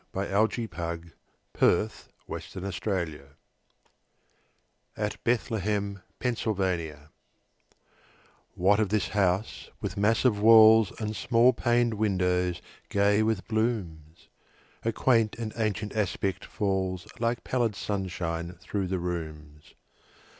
Sarah Orne Jewett The Widow's House (At Bethlehem, Pennsylvania) WHAT of this house with massive walls And small paned windows, gay with blooms? A quaint and ancient aspect falls Like pallid sunshine through the rooms.